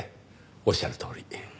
おっしゃるとおり。